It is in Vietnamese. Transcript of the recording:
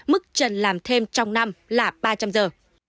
mức trần làm thêm trong năm là ba trăm linh giờ